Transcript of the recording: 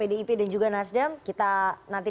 pdip dan juga nasdem kita nanti